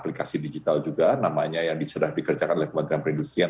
aplikasi digital juga namanya yang sudah dikerjakan oleh kementerian perindustrian